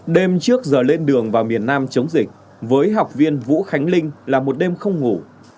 đêm trước giờ lên đường vào miền nam chống dịch với học viên vũ khánh linh là một đêm không ngủ